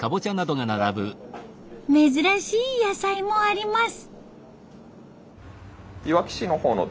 珍しい野菜もあります。